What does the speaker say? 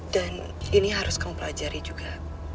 dan ini harus kamu pelajari juga